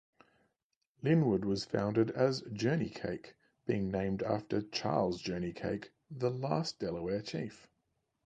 Linwood was founded as "Journeycake," being named after Charles Journeycake, the last Delaware chief.